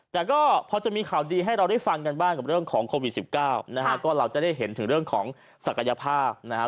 แต่ก็พอจะมีข่าวดีให้เราได้ฟังกันบ้างกับเรื่องของโควิด๑๙นะฮะก็เราจะได้เห็นถึงเรื่องของศักยภาพนะฮะ